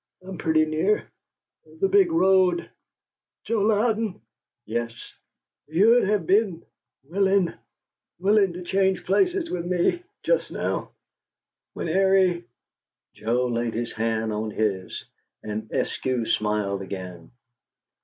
"I'm pretty near the big road. Joe Louden " "Yes?" "You'd have been willing willing to change places with me just now when Airie " Joe laid his hand on his, and Eskew smiled again.